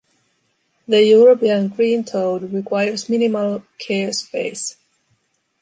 The European green toad requires minimal care space.